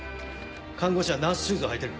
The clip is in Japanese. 看護師はナースシューズを履いてる。